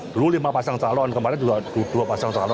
dulu lima pasang calon kemarin dua pasang calon